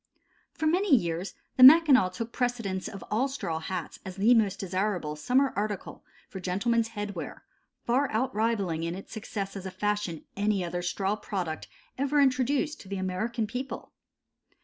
No. 14. For many years the Mackinaw took precedence of all straw hats as the most desirable summer article for gentlemen's headwear, far out rivalling in its success as a fashion any other straw product ever introduced to the American people.